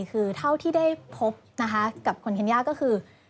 คือเท่าที่ได้พบนะคะกับคุณเคนย่าก็คือ